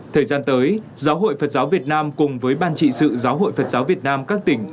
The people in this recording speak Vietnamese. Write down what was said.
thời gian tới giáo hội phật giáo việt nam cùng với ban trị sự giáo hội phật giáo việt nam các tỉnh